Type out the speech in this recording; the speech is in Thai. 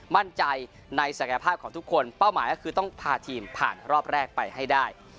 มั่นใจในศักยภาพของทุกคนเป้าหมายก็คือต้องพาทีมผ่านรอบแรกไปให้ได้